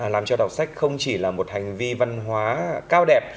làm cho đọc sách không chỉ là một hành vi văn hóa cao đẹp